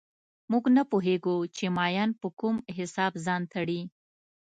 موږ نه پوهېږو چې مایان په کوم حساب ځان تړي